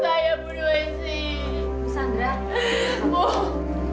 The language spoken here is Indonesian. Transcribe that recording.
saya harap hal ini bisa berjalan dengan democratie